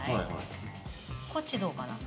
こっちどうかな？